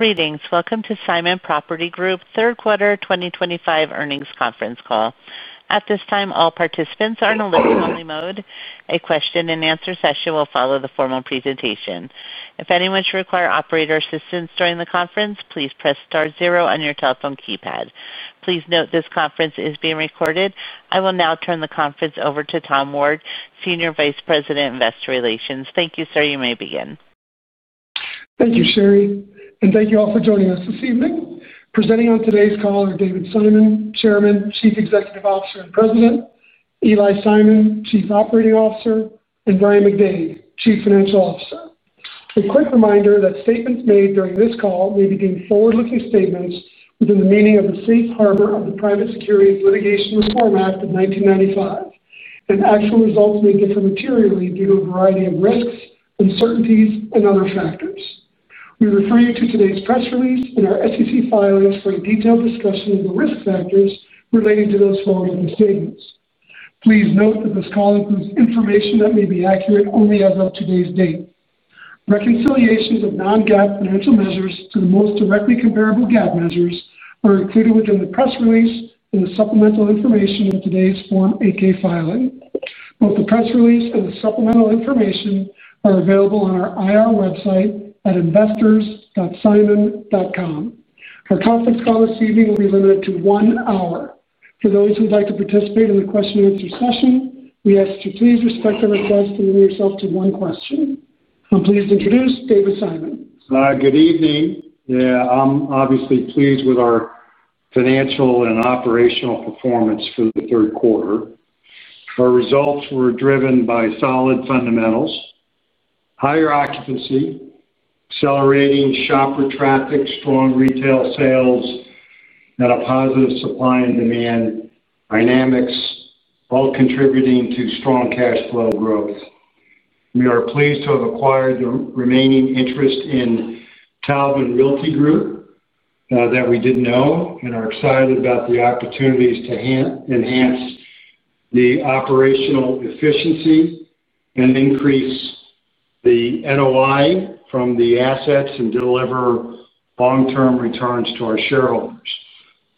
Greetings. Welcome to Simon Property Group's Third Quarter 2025 Earnings Conference Call. At this time, all participants are in a listen-only mode. A question-and-answer session will follow the formal presentation. If anyone should require operator assistance during the conference, please press star zero on your telephone keypad. Please note this conference is being recorded. I will now turn the conference over to Tom Ward, Senior Vice President, Investor Relations. Thank you, sir. You may begin. Thank you, Sherry. Thank you all for joining us this evening. Presenting on today's call are David Simon, Chairman, Chief Executive Officer, and President; Eli Simon, Chief Operating Officer; and Brian McDade, Chief Financial Officer. A quick reminder that statements made during this call may be deemed forward-looking statements within the meaning of the safe harbor of the Private Securities Litigation Reform Act of 1995, and actual results may differ materially due to a variety of risks, uncertainties, and other factors. We refer you to today's press release and our SEC filings for a detailed discussion of the risk factors relating to those forward-looking statements. Please note that this call includes information that may be accurate only as of today's date. Reconciliations of non-GAAP financial measures to the most directly comparable GAAP measures are included within the press release and the supplemental information of today's Form 8-K filing. Both the press release and the supplemental information are available on our IR website at investors.simon.com. Our conference call this evening will be limited to one hour. For those who would like to participate in the question-and-answer session, we ask that you please respect our request to limit yourself to one question. I'm pleased to introduce David Simon. Good evening. Yeah, I'm obviously pleased with our financial and operational performance for the third quarter. Our results were driven by solid fundamentals. Higher occupancy, accelerating shopper traffic, strong retail sales, and a positive supply and demand dynamics, all contributing to strong cash flow growth. We are pleased to have acquired the remaining interest in Taubman Realty Group that we didn't own, and are excited about the opportunities to enhance the operational efficiency and increase the NOI from the assets and deliver long-term returns to our shareholders.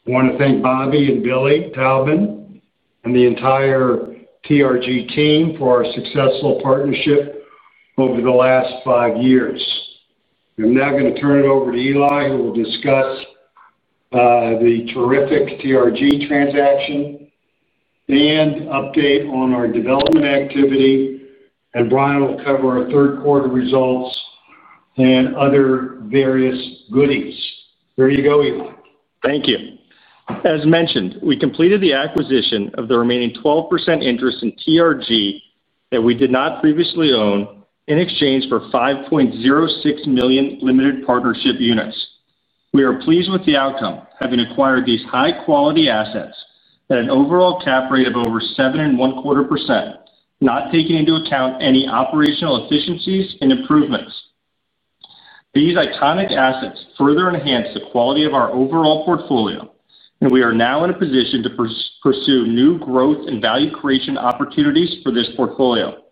I want to thank Bobby and Billy Taubman and the entire TRG team for our successful partnership over the last five years. I'm now going to turn it over to Eli, who will discuss the terrific TRG transaction and update on our development activity, and Brian will cover our third quarter results and other various goodies. There you go, Eli. Thank you. As mentioned, we completed the acquisition of the remaining 12% interest in TRG that we did not previously own in exchange for 5.06 million Limited Partnership Units. We are pleased with the outcome, having acquired these high-quality assets at an overall cap rate of over 7.25%, not taking into account any operational efficiencies and improvements. These iconic assets further enhance the quality of our overall portfolio, and we are now in a position to pursue new growth and value creation opportunities for this portfolio.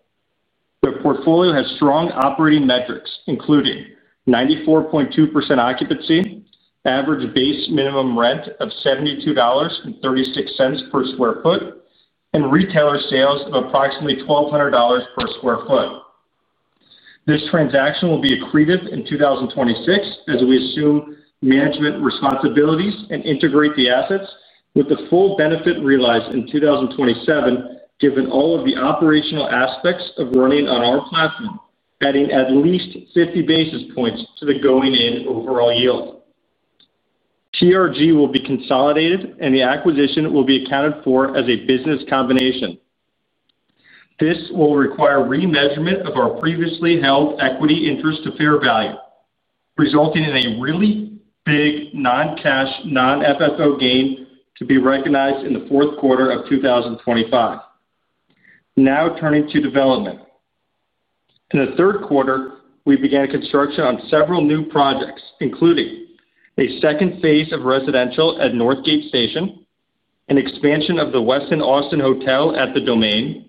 The portfolio has strong operating metrics, including 94.2% occupancy, average base minimum rent of $72.36 per square foot, and retailer sales of approximately $1,200 per square foot. This transaction will be accretive in 2026 as we assume management responsibilities and integrate the assets with the full benefit realized in 2027, given all of the operational aspects of running on our platform, adding at least 50 basis points to the going-in overall yield. TRG will be consolidated, and the acquisition will be accounted for as a business combination. This will require remeasurement of our previously held equity interest to fair value, resulting in a really big non-cash, non-FFO gain to be recognized in the fourth quarter of 2025. Now turning to development. In the third quarter, we began construction on several new projects, including a second phase of residential at Northgate Station, an expansion of the Westin Austin Hotel at the Domain,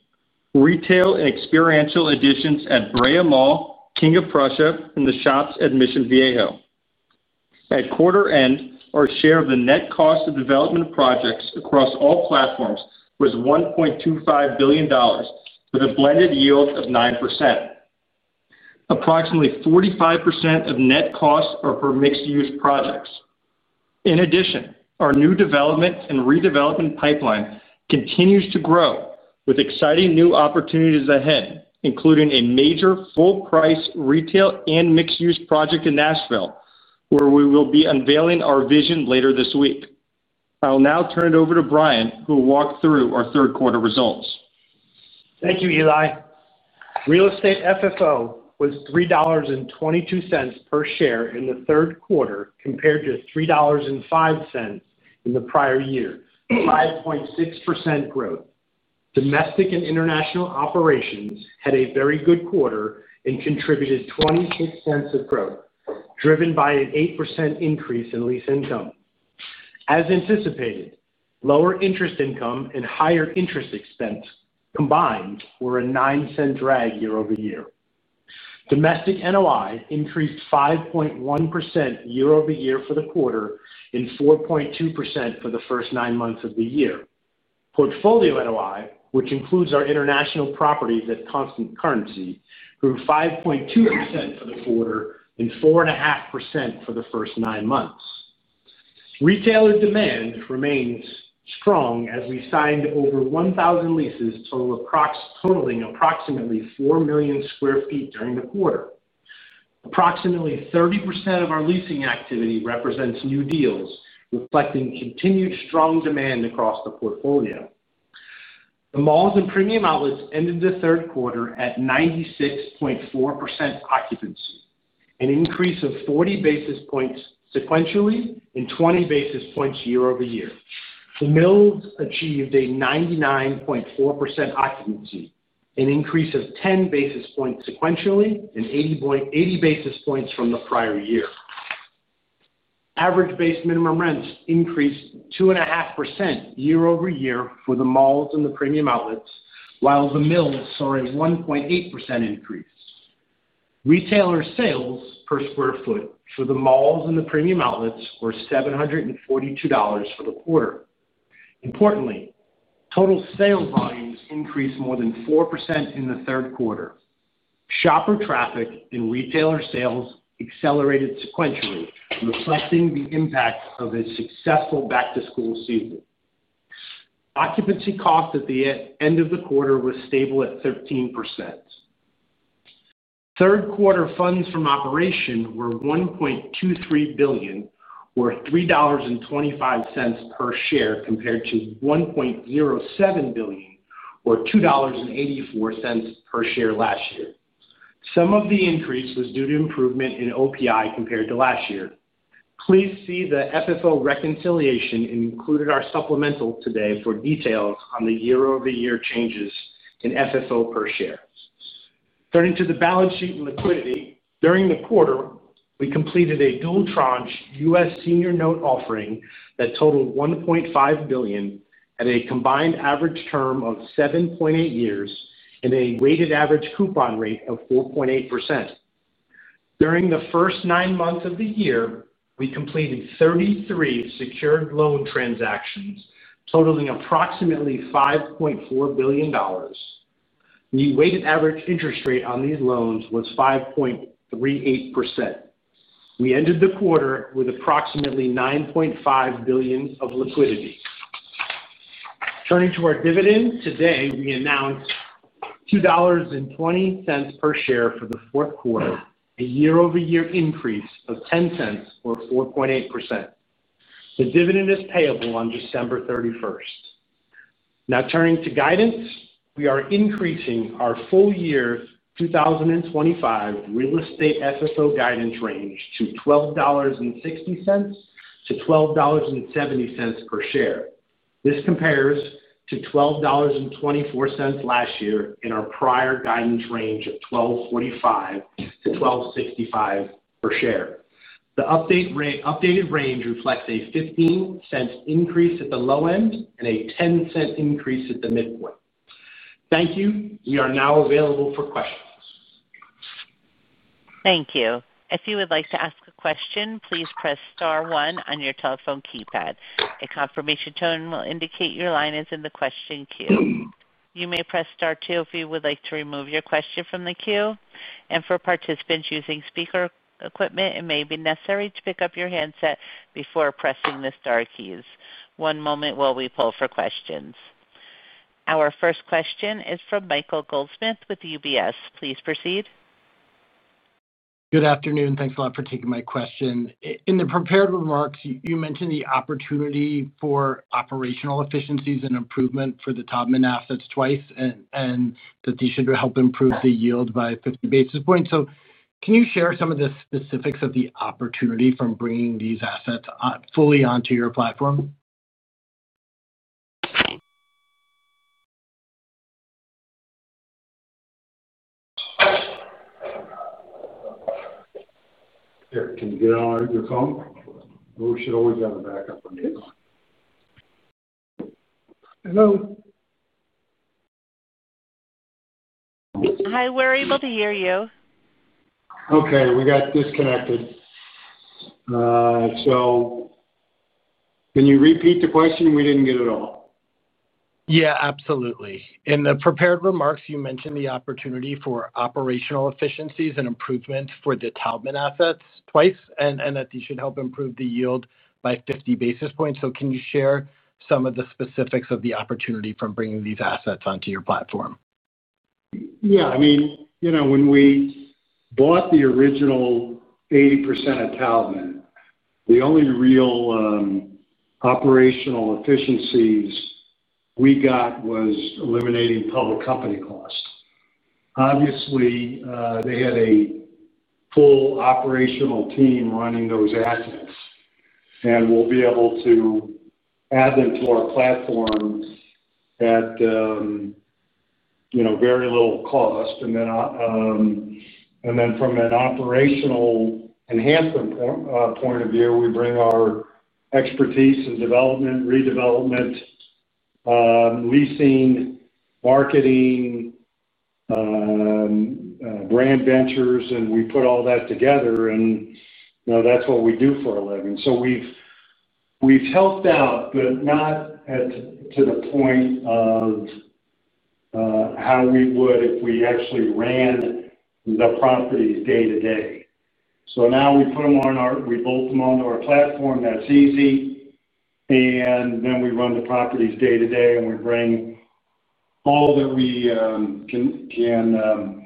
retail and experiential additions at Brea Mall, King of Prussia, and the Shops at Mission Viejo. At quarter end, our share of the net cost of development projects across all platforms was $1.25 billion, with a blended yield of 9%. Approximately 45% of net costs are for mixed-use projects. In addition, our new development and redevelopment pipeline continues to grow, with exciting new opportunities ahead, including a major full-price retail and mixed-use project in Nashville, where we will be unveiling our vision later this week. I'll now turn it over to Brian, who will walk through our third quarter results. Thank you, Eli. Real estate FFO was $3.22 per share in the third quarter compared to $3.05 in the prior year, 5.6% growth. Domestic and international operations had a very good quarter and contributed $0.26 of growth, driven by an 8% increase in lease income. As anticipated, lower interest income and higher interest expense combined were a $0.09 drag year-over-year. Domestic NOI increased 5.1% year-over-year for the quarter and 4.2% for the first nine months of the year. Portfolio NOI, which includes our international properties at constant currency, grew 5.2% for the quarter and 4.5% for the first nine months. Retailer demand remains strong as we signed over 1,000 leases, totaling approximately 4 million square foot during the quarter. Approximately 30% of our leasing activity represents new deals, reflecting continued strong demand across the portfolio. The Malls and Premium Outlets ended the third quarter at 96.4% occupancy, an increase of 40 basis points sequentially and 20 basis points year-over-year. The Mills achieved a 99.4% occupancy, an increase of 10 basis points sequentially and 80 basis points from the prior year. Average base minimum rents increased 2.5% year-over-year for the Malls and the Premium Outlets, while the Mills saw a 1.8% increase. Retailer sales per square foot for the Malls and the Premium Outlets were $742 for the quarter. Importantly, total sale volumes increased more than 4% in the third quarter. Shopper traffic and retailer sales accelerated sequentially, reflecting the impact of a successful back-to-school season. Occupancy cost at the end of the quarter was stable at 13%. Third quarter funds from operation were $1.23 billion, or $3.25 per share, compared to $1.07 billion, or $2.84 per share last year. Some of the increase was due to improvement in OPI compared to last year. Please see the FFO reconciliation and include our supplemental today for details on the year-over-year changes in FFO per share. Turning to the balance sheet and liquidity, during the quarter, we completed a dual tranche U.S. senior note offering that totaled $1.5 billion at a combined average term of 7.8 years and a weighted average coupon rate of 4.8%. During the first nine months of the year, we completed 33 secured loan transactions totaling approximately $5.4 billion. The weighted average interest rate on these loans was 5.38%. We ended the quarter with approximately $9.5 billion of liquidity. Turning to our dividends, today we announced $2.20 per share for the fourth quarter, a year-over-year increase of $0.10, or 4.8%. The dividend is payable on December 31st. Now turning to guidance, we are increasing our full year 2025 real estate FFO guidance range to $12.60-$12.70 per share. This compares to $12.24 last year and our prior guidance range of $12.45-$12.65 per share. The updated range reflects a $0.15 increase at the low end and a $0.10 increase at the midpoint. Thank you. We are now available for questions. Thank you. If you would like to ask a question, please press star one on your telephone keypad. A confirmation tone will indicate your line is in the question queue. You may press star two if you would like to remove your question from the queue. For participants using speaker equipment, it may be necessary to pick up your handset before pressing the star keys. One moment while we pull for questions. Our first question is from Michael Goldsmith with UBS. Please proceed. Good afternoon. Thanks a lot for taking my question. In the prepared remarks, you mentioned the opportunity for operational efficiencies and improvement for the top-end assets twice, and that these should help improve the yield by 50 basis points. Can you share some of the specifics of the opportunity from bringing these assets fully onto your platform? Can you get on your phone? We should always have a backup on your phone. Hello. Hi, we're able to hear you. Okay. We got disconnected. Can you repeat the question? We did not get it all. Yeah, absolutely. In the prepared remarks, you mentioned the opportunity for operational efficiencies and improvements for the Taubman assets twice, and that these should help improve the yield by 50 basis points. Can you share some of the specifics of the opportunity from bringing these assets onto your platform? Yeah. I mean, when we bought the original 80% of Taubman, the only real operational efficiencies we got was eliminating public company costs. Obviously, they had a full operational team running those assets, and we'll be able to add them to our platform at very little cost. And then from an operational enhancement point of view, we bring our expertise in development, redevelopment, leasing, marketing, brand ventures, and we put all that together, and that's what we do for a living. We've helped out, but not to the point of how we would if we actually ran the properties day-to-day. Now we put them on our, we bolt them onto our platform. That's easy. Then we run the properties day to day, and we bring all that we can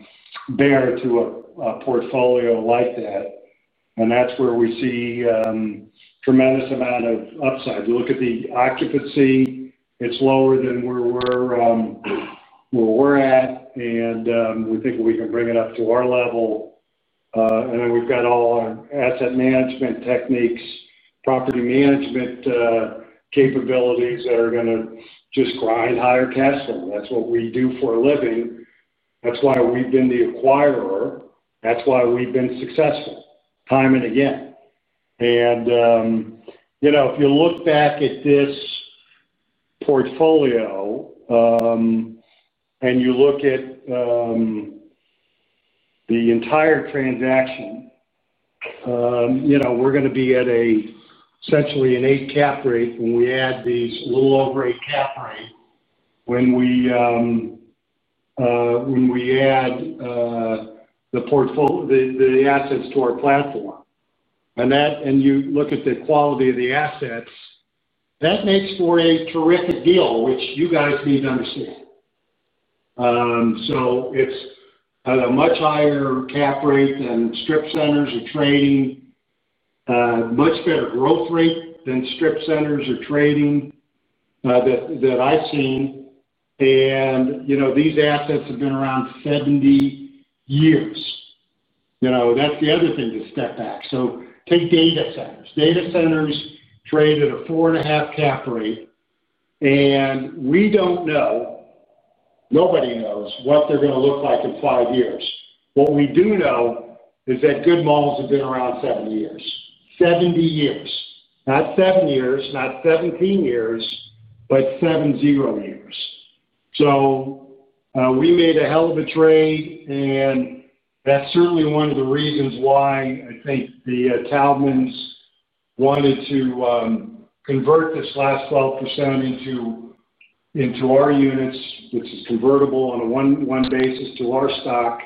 bear to a portfolio like that. That's where we see tremendous amount of upside. Look at the occupancy. It's lower than where we're at, and we think we can bring it up to our level. We've got all our asset management techniques, property management capabilities that are going to just grind higher cash flow. That's what we do for a living. That's why we've been the acquirer. That's why we've been successful time and again. If you look back at this portfolio and you look at the entire transaction, we're going to be at essentially an 8% cap rate when we add these, a little over 8% cap rate when we add the assets to our platform. You look at the quality of the assets, that makes for a terrific deal, which you guys need to understand. It's at a much higher cap rate than strip centers are trading. Much better growth rate than strip centers are trading that I've seen. These assets have been around 70 years. That's the other thing to step back. Take data centers. Data centers trade at a 4.5% cap rate, and we don't know, nobody knows what they're going to look like in five years. What we do know is that good malls have been around 70 years. 70 years. Not seven years, not 17 years, but 70 years. We made a hell of a trade, and that's certainly one of the reasons why I think the Taubmans wanted to convert this last 12% into our units, which is convertible on a one-to-one basis to our stock,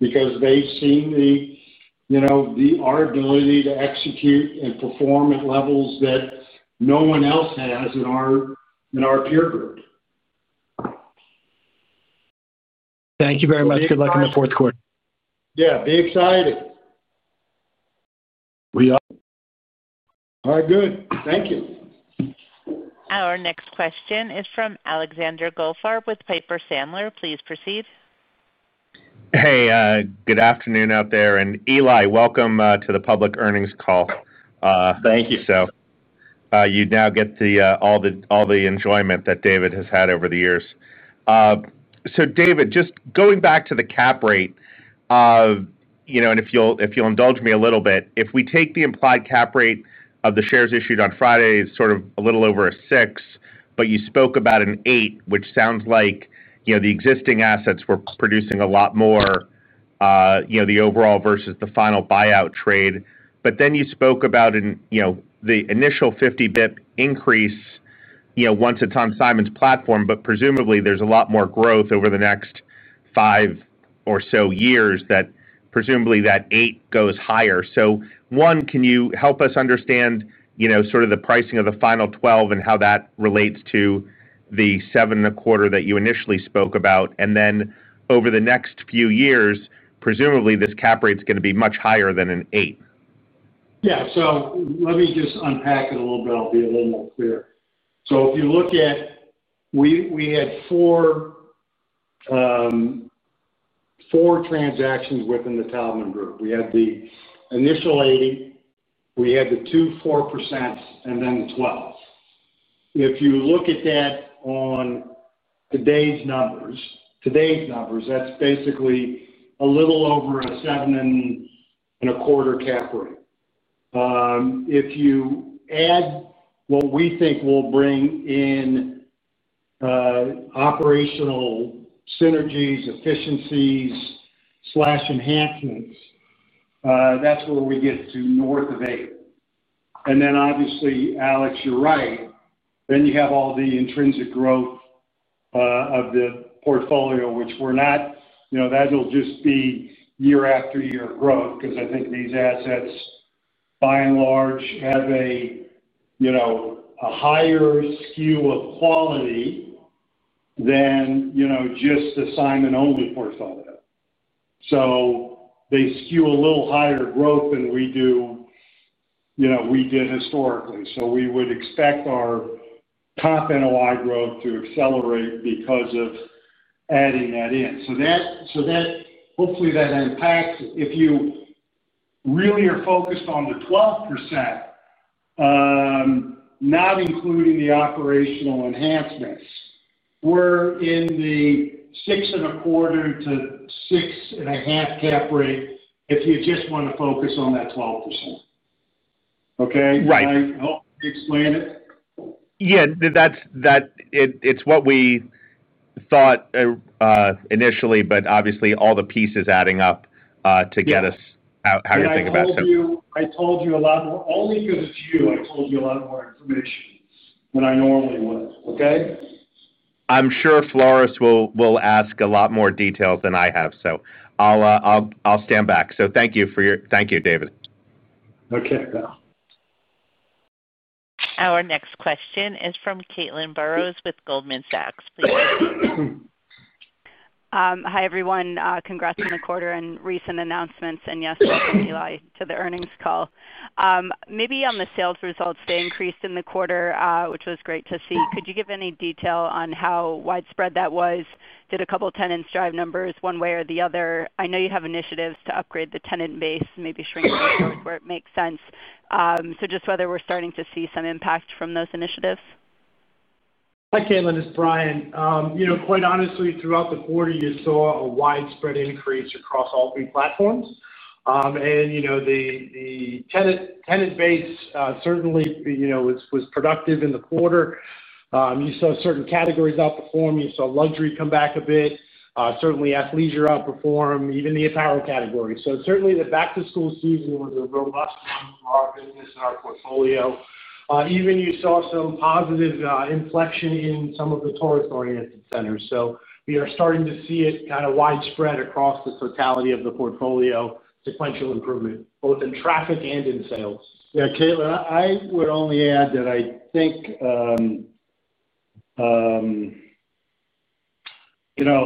because they've seen our ability to execute and perform at levels that no one else has in our peer group. Thank you very much. Good luck in the fourth quarter. Yeah. Be excited. We are. All right. Good. Thank you. Our next question is from Alexander Goldfarb with Piper Sandler. Please proceed. Hey. Good afternoon out there. Eli, welcome to the public earnings call. Thank you. You now get all the enjoyment that David has had over the years. David, just going back to the cap rate. If you'll indulge me a little bit, if we take the implied cap rate of the shares issued on Friday, it's sort of a little over a 6%, but you spoke about an 8%, which sounds like the existing assets were producing a lot more. The overall versus the final buyout trade. Then you spoke about the initial 50 basis point increase. Once it's on Simon's platform, but presumably there's a lot more growth over the next five or so years that presumably that 8% goes higher. One, can you help us understand sort of the pricing of the final 12% and how that relates to the 7.25% that you initially spoke about? Over the next few years, presumably this cap rate is going to be much higher than an 8. Yeah. Let me just unpack it a little bit. I'll be a little more clear. If you look at, we had four transactions within the Taubman Group. We had the initial 80%, we had the 2%, 4%, and then the 12%. If you look at that on today's numbers, that's basically a little over a 7.25% cap rate. If you add what we think will bring in operational synergies, efficiencies, slash enhancements, that's where we get to north of 8%. Obviously, Alex, you're right. Then you have all the intrinsic growth of the portfolio, which we're not, that'll just be year after year growth because I think these assets, by and large, have a higher skew of quality than just the Simon only portfolio. They skew a little higher growth than we did historically. We would expect our top NOI growth to accelerate because of adding that in. Hopefully that unpacks. If you really are focused on the 12%, not including the operational enhancements, we're in the 6.25%-6.5% cap rate if you just want to focus on that 12%. Okay? Right. Did I help explain it? Yeah. It's what we thought initially, but obviously all the pieces adding up to get us how you think about it. I told you a lot more only because it's you, I told you a lot more information than I normally would. Okay? I'm sure Floris will ask a lot more details than I have, so I'll stand back. Thank you for your thank you, David. Okay. Our next question is from Caitlin Burrows with Goldman Sachs. Please. Hi everyone. Congrats on the quarter and recent announcements, and yes, welcome, Eli, to the earnings call. Maybe on the sales results, they increased in the quarter, which was great to see. Could you give any detail on how widespread that was? Did a couple of tenants drive numbers one way or the other? I know you have initiatives to upgrade the tenant base, maybe shrink the stores where it makes sense. Just whether we're starting to see some impact from those initiatives? Hi, Caitlin. It's Brian. Quite honestly, throughout the quarter, you saw a widespread increase across all three platforms. The tenant base certainly was productive in the quarter. You saw certain categories outperform. You saw luxury come back a bit. Certainly, athleisure outperformed, even the apparel category. Certainly, the back-to-school season was a robust one for our business and our portfolio. Even you saw some positive inflection in some of the tourist-oriented centers. We are starting to see it kind of widespread across the totality of the portfolio, sequential improvement, both in traffic and in sales. Yeah. Caitlin, I would only add that I think,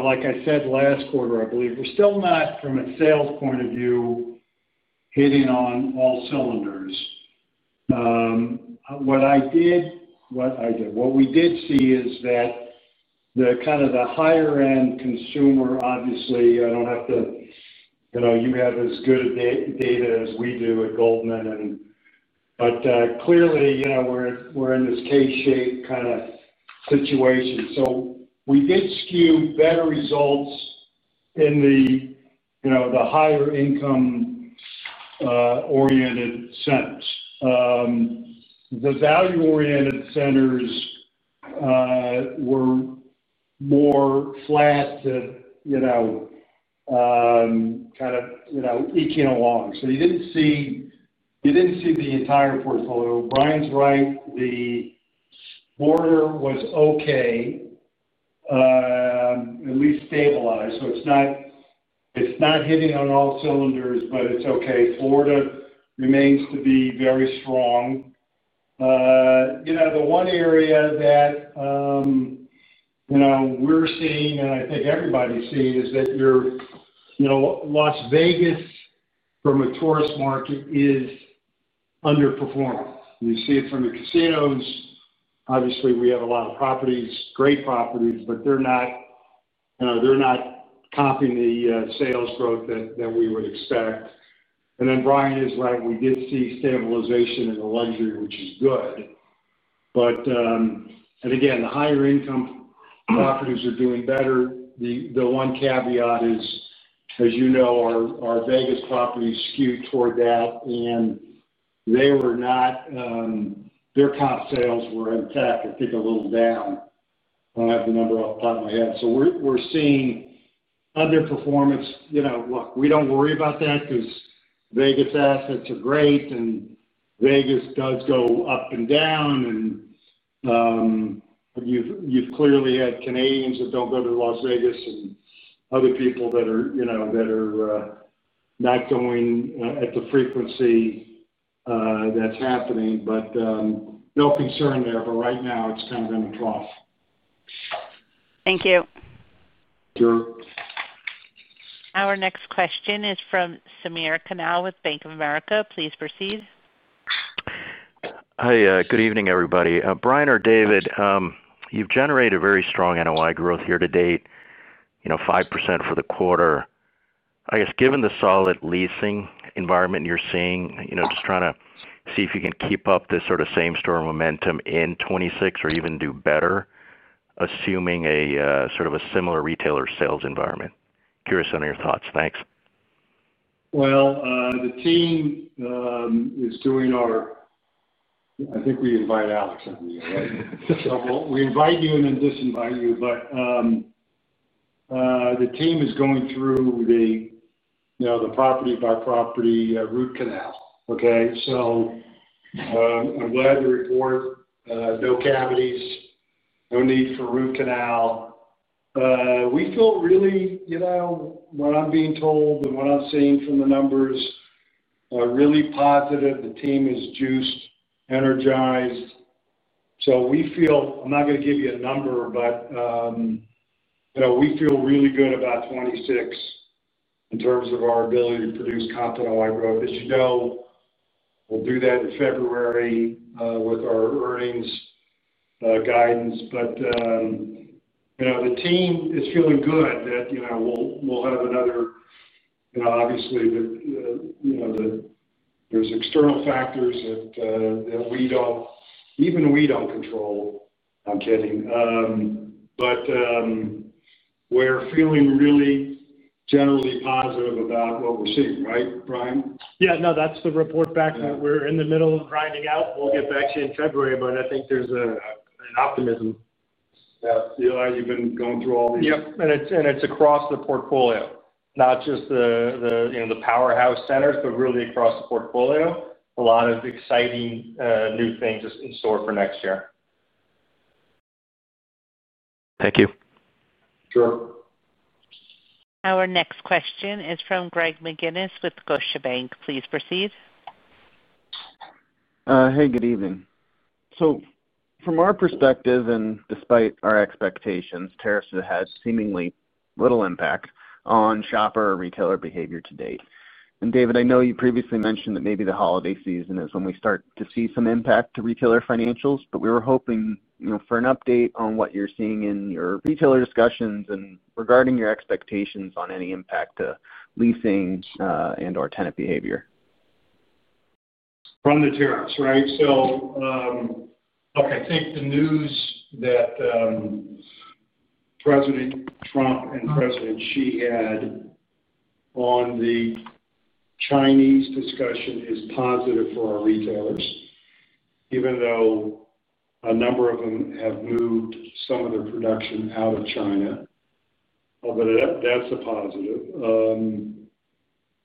like I said last quarter, I believe we're still not, from a sales point of view, hitting on all cylinders. What I did, what we did see is that the kind of the higher-end consumer, obviously, I don't have to, you have as good data as we do at Goldman. Clearly, we're in this K-shaped kind of situation. We did skew better results in the higher-income oriented centers. The value-oriented centers were more flat to kind of eeking along. You didn't see the entire portfolio. Brian's right. The quarter was okay, at least stabilized. It's not hitting on all cylinders, but it's okay. Florida remains to be very strong. The one area that we're seeing, and I think everybody's seeing, is that Las Vegas from a tourist market is underperforming. You see it from the casinos. Obviously, we have a lot of properties, great properties, but they're not copying the sales growth that we would expect. Brian is right. We did see stabilization in the luxury, which is good. Again, the higher-income properties are doing better. The one caveat is, as you know, our Vegas properties skewed toward that, and they were not. Their comp sales were in fact, I think, a little down. I don't have the number off the top of my head. We're seeing underperformance. Look, we don't worry about that because Vegas assets are great, and Vegas does go up and down. You've clearly had Canadians that don't go to Las Vegas and other people that are not going at the frequency that's happening. No concern there. Right now, it's kind of in a trough. Thank you. Sure. Our next question is from Samir Khanal with Bank of America. Please proceed. Hi. Good evening, everybody. Brian or David. You've generated very strong NOI growth year-to-date, 5% for the quarter. I guess given the solid leasing environment you're seeing, just trying to see if you can keep up this sort of same-story momentum in 2026 or even do better, assuming a sort of a similar retailer sales environment. Curious on your thoughts. Thanks. The team is doing our. I think we invite Alex on the other end. We invite you and then disinvite you. The team is going through the property-by-property root canal. Okay? I'm glad to report. No cavities. No need for root canal. We feel really. What I'm being told and what I'm seeing from the numbers are really positive. The team is juiced, energized. We feel I'm not going to give you a number, but we feel really good about 2026. In terms of our ability to produce comp NOI growth. As you know, we'll do that in February with our earnings guidance. The team is feeling good that we'll have another. Obviously, there are external factors that we do not even we do not control. I'm kidding. We are feeling really generally positive about what we're seeing. Right, Brian? Yeah. No, that's the report back that we're in the middle of rounding out. We'll get back to you in February, but I think there's an optimism. Yeah. Eli, you've been going through all these. Yes. It is across the portfolio, not just the powerhouse centers, but really across the portfolio. A lot of exciting new things in store for next year. Thank you. Sure. Our next question is from Greg McGinniss with Scotiabank. Please proceed. Hey, good evening. From our perspective, and despite our expectations, tariffs have had seemingly little impact on shopper or retailer behavior to date. David, I know you previously mentioned that maybe the holiday season is when we start to see some impact to retailer financials, but we were hoping for an update on what you're seeing in your retailer discussions and regarding your expectations on any impact to leasing and/or tenant behavior? From the tariffs. Right? So. Look, I think the news that. President Trump and President Xi had on the Chinese discussion is positive for our retailers even though a number of them have moved some of their production out of China. But that's a positive.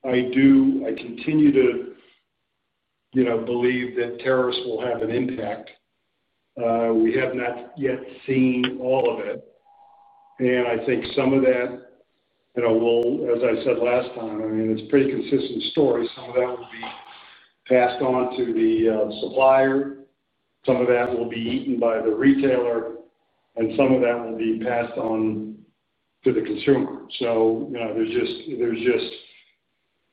I continue to believe that tariffs will have an impact. We have not yet seen all of it. I think some of that will, as I said last time, I mean, it's a pretty consistent story. Some of that will be passed on to the supplier. Some of that will be eaten by the retailer, and some of that will be passed on to the consumer. There's just,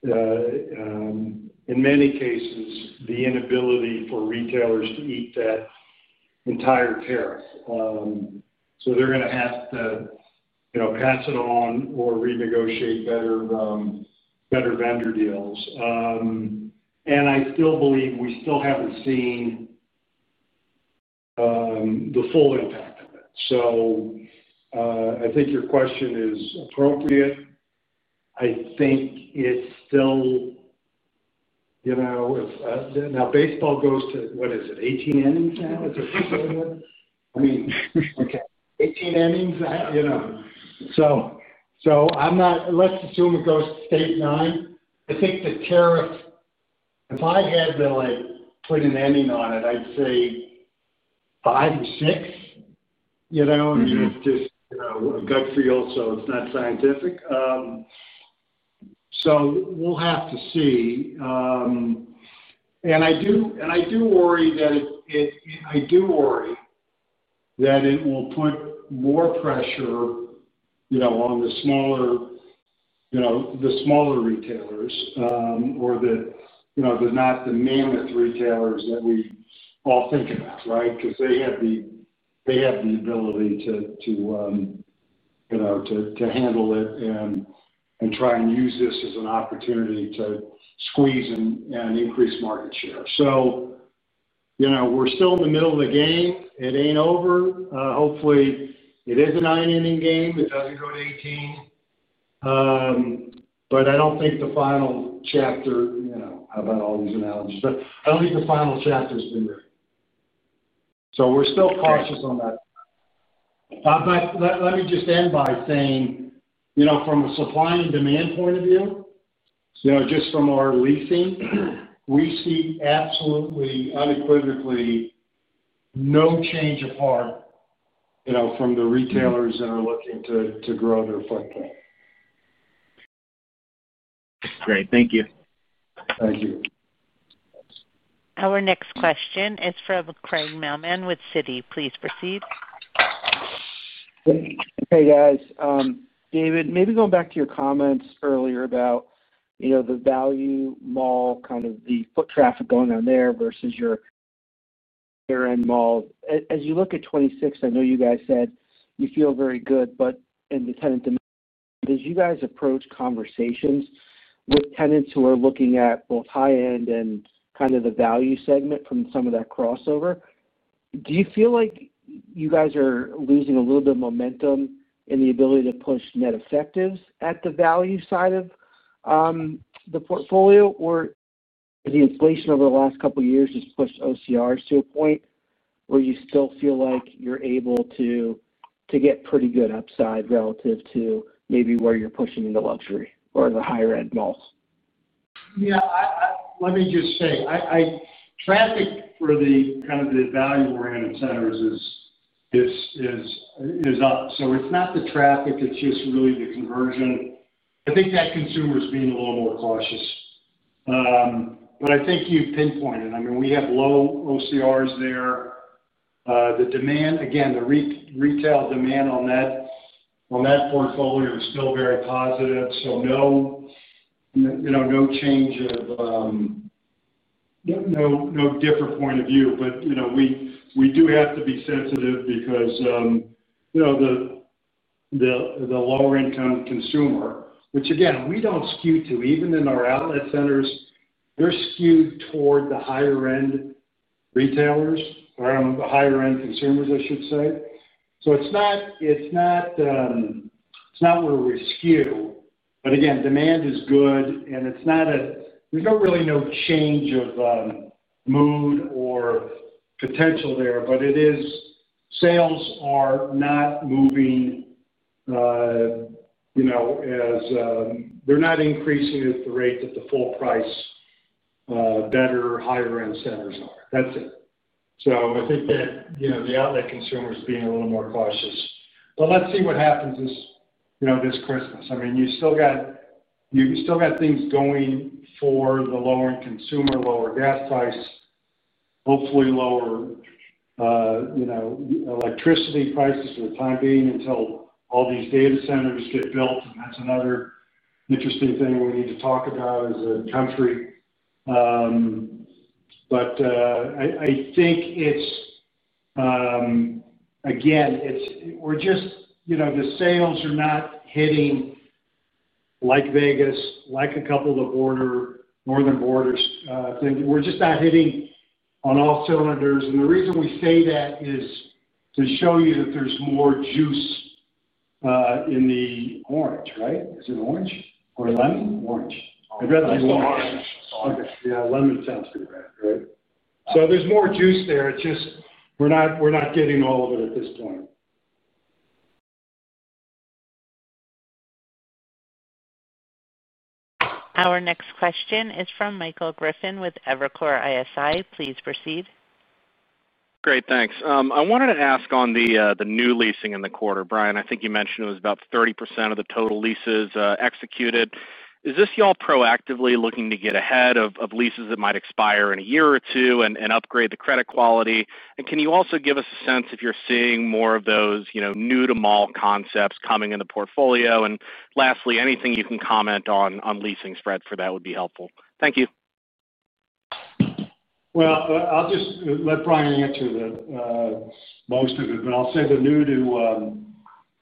in many cases, the inability for retailers to eat that entire tariff. They're going to have to pass it on or renegotiate better vendor deals. I still believe we still haven't seen the full impact of it. I think your question is appropriate. I think it's still, now, baseball goes to, what is it, 18 innings now? Is that what you're saying? I mean, okay, 18 innings. Let's assume it goes to, say, nine. I think the tariff. If I had to put an ending on it, I'd say five or six. I mean, it's just a gut feel, so it's not scientific. We'll have to see. I do worry that it, I do worry that it will put more pressure on the smaller retailers or the, not the mammoth retailers that we all think about, right? Because they have the ability to handle it and try and use this as an opportunity to squeeze and increase market share. We're still in the middle of the game. It ain't over. Hopefully, it is a nine-inning game. It doesn't go to 18. I don't think the final chapter, how about all these analogies? I don't think the final chapter has been written. We're still cautious on that. Let me just end by saying, from a supply and demand point of view, just from our leasing, we see absolutely unequivocally no change apart from the retailers that are looking to grow their footprint. Great. Thank you. Thank you. Our next question is from Craig Mailman with Citi. Please proceed. Hey, guys. David, maybe going back to your comments earlier about the value mall, kind of the foot traffic going on there versus your in malls. As you look at 2026, I know you guys said you feel very good, but in the tenant demand, as you guys approach conversations with tenants who are looking at both high-end and kind of the value segment from some of that crossover, do you feel like you guys are losing a little bit of momentum in the ability to push net effectives at the value side of the portfolio? Or has the inflation over the last couple of years just pushed OCRs to a point where you still feel like you're able to get pretty good upside relative to maybe where you're pushing into luxury or the higher-end malls? Yeah. Let me just say. Traffic for the kind of the value-oriented centers is up. So it's not the traffic. It's just really the conversion. I think that consumer is being a little more cautious. I think you pinpointed. I mean, we have low OCRs there. The demand, again, the retail demand on that portfolio is still very positive. No change of, no different point of view. We do have to be sensitive because the lower-income consumer, which again, we do not skew to. Even in our outlet centers, they are skewed toward the higher-end retailers or the higher-end consumers, I should say. So it's not where we skew. Again, demand is good, and it's not a, there's really no change of mood or potential there. It is, sales are not moving as, they're not increasing at the rate that the full-price, better, higher-end centers are. That's it. I think that the outlet consumer is being a little more cautious. Let's see what happens this Christmas. I mean, you've still got things going for the lower-income consumer, lower gas price, hopefully lower electricity prices for the time being until all these data centers get built. That's another interesting thing we need to talk about as a country. I think, again, we're just, the sales are not hitting like Vegas, like a couple of the northern borders. We're just not hitting on all cylinders. The reason we say that is to show you that there's more juice in the orange, right? Is it orange or lemon? Orange. I'd rather use orange. Orange. Orange. Okay. Yeah. Lemon sounds good, right? So there's more juice there. It's just we're not getting all of it at this point. Our next question is from Michael Griffin with Evercore ISI. Please proceed. Great. Thanks. I wanted to ask on the new leasing in the quarter. Brian, I think you mentioned it was about 30% of the total leases executed. Is this y'all proactively looking to get ahead of leases that might expire in a year or two and upgrade the credit quality? Can you also give us a sense if you're seeing more of those new-to-mall concepts coming in the portfolio? Lastly, anything you can comment on leasing spread for that would be helpful. Thank you. I'll just let Brian answer most of it.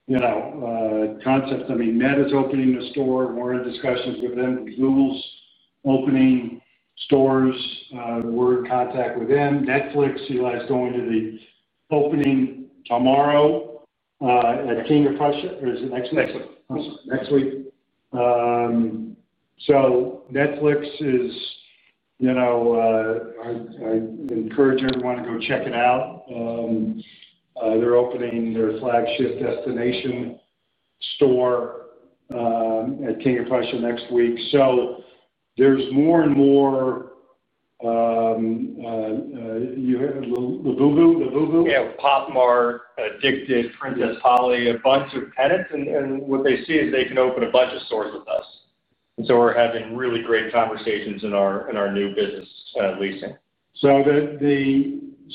I mean, the new-to concepts. Net is opening a store. We're in discussions with them. Google is opening stores. We're in contact with them. Netflix, Eli is going to the opening tomorrow at King of Prussia. Or is it next week? I'm sorry. Next week. Netflix is, I encourage everyone to go check it out. They're opening their flagship destination store at King of Prussia next week. There's more and more year-end Labubu. Yeah. Pop Mart, Edikted, Princess Polly, a bunch of tenants. What they see is they can open a bunch of stores with us. We're having really great conversations in our new business leasing.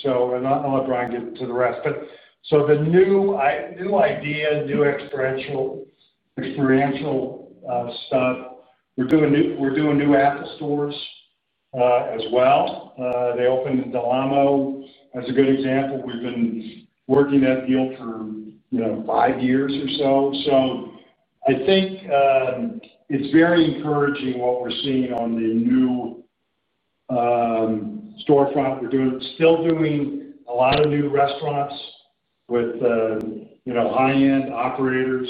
I'll let Brian get to the rest. The new idea, new experiential stuff. We're doing new Apple Stores as well. They opened in Del Amo as a good example. We've been working that deal for five years or so. I think it's very encouraging what we're seeing on the new storefront. We're still doing a lot of new restaurants with high-end operators,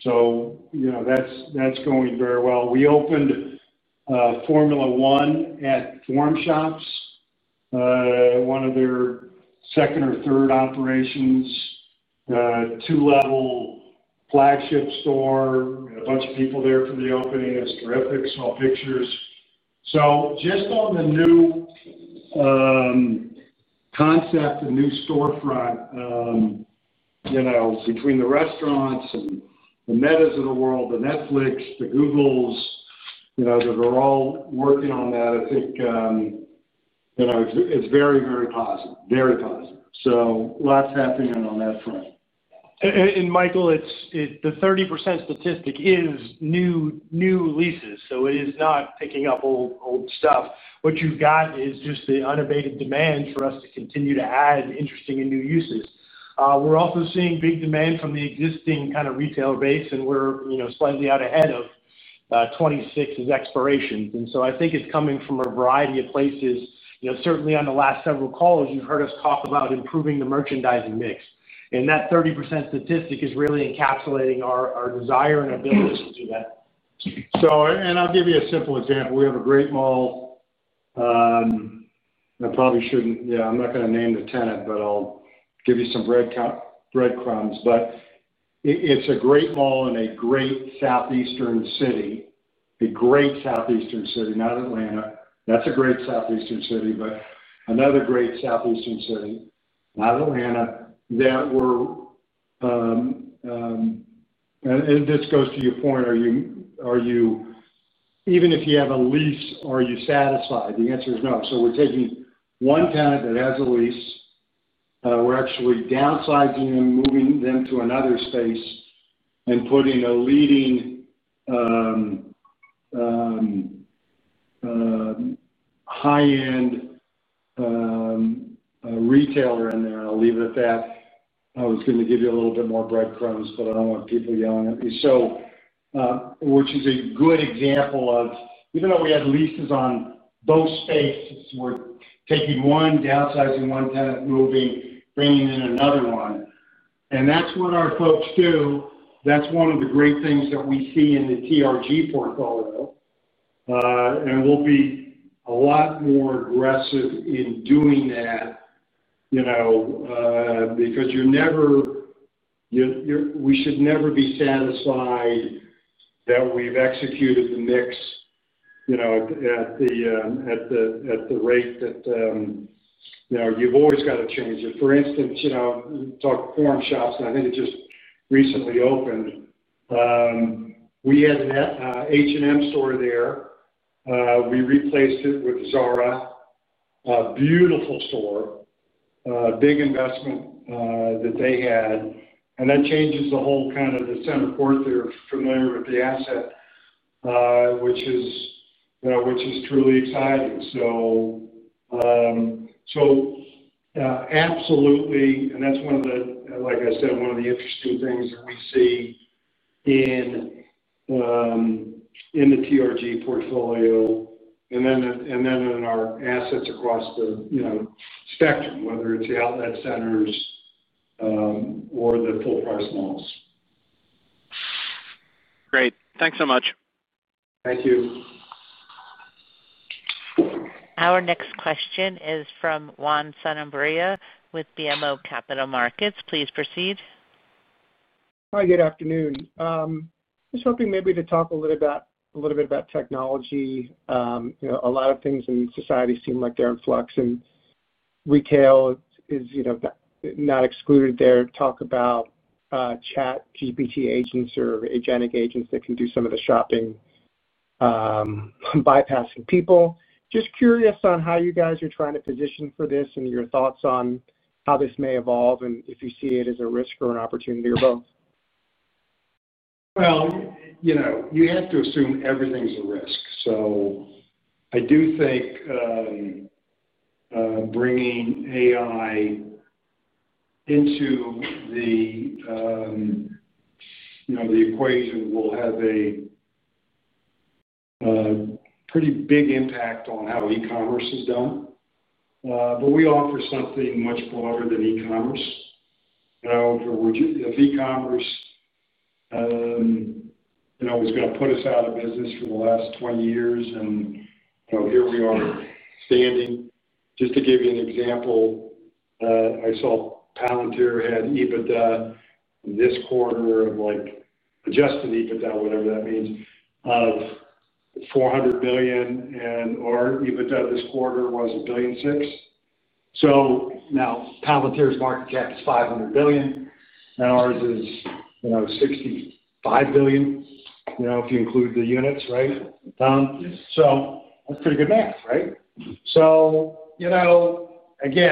so that's going very well. We opened Formula 1 at Forum Shops, one of their second or third operations. Two-level flagship store, a bunch of people there for the opening. It's terrific. Saw pictures. Just on the new concept, the new storefront, between the restaurants, the Metas of the world, the Netflix, the Googles that are all working on that, I think it's very, very positive. Very positive. Lots happening on that front. Michael, the 30% statistic is new. Leases. It is not picking up old stuff. What you have got is just the unabated demand for us to continue to add interesting and new uses. We are also seeing big demand from the existing kind of retailer base, and we are slightly out ahead of 2026's expirations. I think it is coming from a variety of places. Certainly, on the last several calls, you have heard us talk about improving the merchandising mix. That 30% statistic is really encapsulating our desire and ability to do that. I'll give you a simple example. We have a great mall. I probably shouldn't, yeah, I'm not going to name the tenant, but I'll give you some breadcrumbs. It's a great mall in a great Southeastern city, not Atlanta. That's a great Southeastern city, but another great Southeastern city, not Atlanta. We're, and this goes to your point, are you, even if you have a lease, are you satisfied? The answer is no. We're taking one tenant that has a lease, we're actually downsizing them, moving them to another space, and putting a leading high-end retailer in there. I'll leave it at that. I was going to give you a little bit more breadcrumbs, but I don't want people yelling at me. Which is a good example of even though we had leases on both spaces, we're taking one, downsizing one tenant, moving, bringing in another one. That's what our folks do. That's one of the great things that we see in the TRG portfolio. We'll be a lot more aggressive in doing that, because you should never be satisfied that we've executed the mix at the rate that, you've always got to change it. For instance, we talked Form Shops, and I think it just recently opened. We had an H&M store there. We replaced it with Zara, a beautiful store, big investment that they had, and that changes the whole kind of the center court. They're familiar with the asset, which is truly exciting. Absolutely, and that's one of the, like I said, one of the interesting things that we see in the TRG portfolio, and then in our assets across the spectrum, whether it's the outlet centers or the full-price malls. Great. Thanks so much. Thank you. Our next question is from Juan Sanabria with BMO Capital Markets. Please proceed. Hi. Good afternoon. I was hoping maybe to talk a little bit about technology. A lot of things in society seem like they're in flux, and retail is not excluded there. Talk about ChatGPT agents or agentic agents that can do some of the shopping, bypassing people. Just curious on how you guys are trying to position for this and your thoughts on how this may evolve and if you see it as a risk or an opportunity or both? You have to assume everything's a risk. I do think bringing AI into the equation will have a pretty big impact on how e-commerce is done. We offer something much broader than e-commerce. If e-commerce was going to put us out of business for the last 20 years, and here we are standing. Just to give you an example, I saw Palantir had EBITDA this quarter of adjusted EBITDA, whatever that means, of $400 billion, and our EBITDA this quarter was $1.6 billion. Now Palantir's market cap is $500 billion, and ours is $65 billion if you include the units, right? That's pretty good math, right?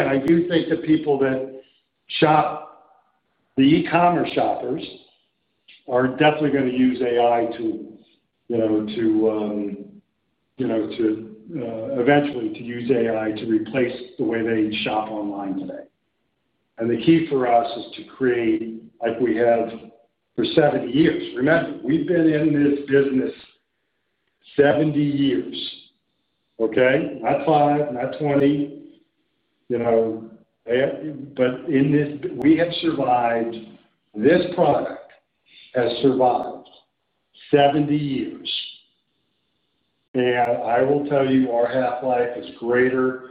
I do think the people that shop, the e-commerce shoppers, are definitely going to use AI to eventually use AI to replace the way they shop online today. The key for us is to create like we have for 70 years. Remember, we've been in this business 70 years. Not 5, not 20. In this, we have survived, this product has survived 70 years. I will tell you, our half-life is greater